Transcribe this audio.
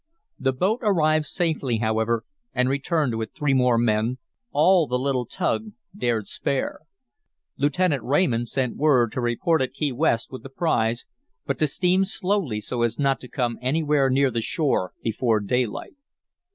The boat arrived safely, however, and returned with three more men, all the little tug dared spare. Lieutenant Raymond sent word to report at Key West with the prize, but to steam slowly so as not to come anywhere near the shore before daylight.